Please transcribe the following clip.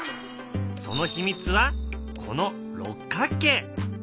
その秘密はこの六角形。